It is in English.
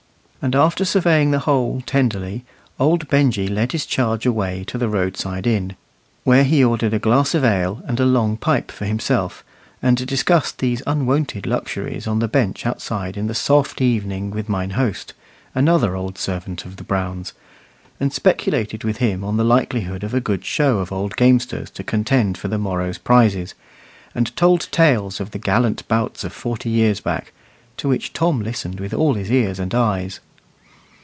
And after surveying the whole tenderly, old Benjy led his charge away to the roadside inn, where he ordered a glass of ale and a long pipe for himself, and discussed these unwonted luxuries on the bench outside in the soft autumn evening with mine host, another old servant of the Browns, and speculated with him on the likelihood of a good show of old gamesters to contend for the morrow's prizes, and told tales of the gallant bouts of forty years back, to which Tom listened with all his ears and eyes.